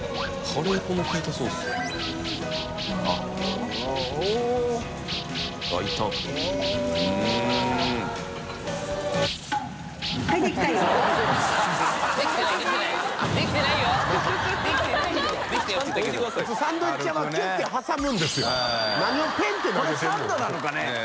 これサンドなのかね？